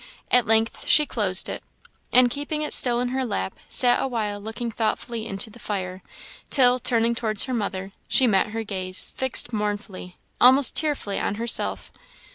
At length she closed it, and keeping it still in her lap, sat awhile looking thoughtfully into the fire; till, turning towards her mother, she met her gaze, fixed mournfully, almost tearfully, on herself.